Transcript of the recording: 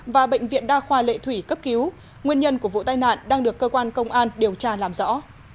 và bệnh viện đa khoa lệ thủy cấp cứu nguyên nhân của vụ tai nạn đang được cơ quan công an điều tra làm rõ